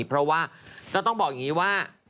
เพราะว่าก็ต้องบอกอย่างนี้ว่า